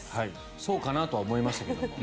そうかなとは思いましたけども。